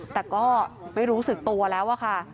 แต่ก็ไม่รู้สึกตัวแล้วอะค่ะ